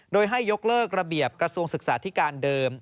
โดยให้ยกเลิกระเบียบกระทรวงศึกษาธิการเดิม